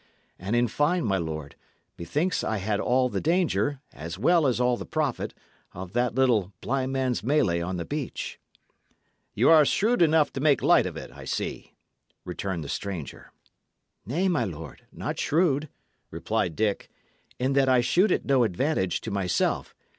And in fine, my lord, methinks I had all the danger, as well as all the profit, of that little blind man's mellay on the beach." "Y' are shrewd enough to make light of it, I see," returned the stranger. "Nay, my lord, not shrewd," replied Dick, "in that I shoot at no advantage to myself.